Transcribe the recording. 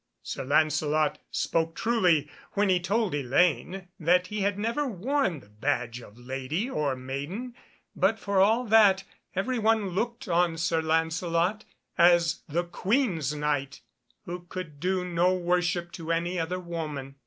Sir Lancelot spoke truly when he told Elaine that he had never worn the badge of lady or maiden, but for all that every one looked on Sir Lancelot as the Queen's Knight, who could do no worship to any other woman.